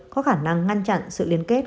có khả năng ngăn chặn sự liên kết